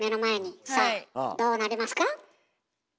さあどうなりますか？